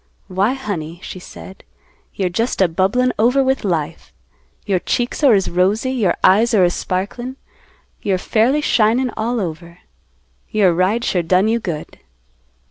"Why, honey," she said, "you're just a bubblin' over with life. Your cheeks are as rosy; your eyes are as sparklin', you're fairly shinin' all over. Your ride sure done you good."